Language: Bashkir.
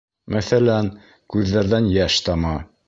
Мәҫәлән, күҙҙәрҙән йәш тама.